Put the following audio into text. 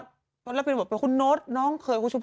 แล้วบอกว่าเป็นคุณโน๊ตน้องเคย